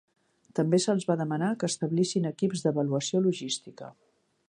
També se'ls va demanar que establissin equips d'avaluació logística.